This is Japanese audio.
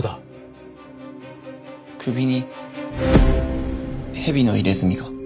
首に蛇の入れ墨が。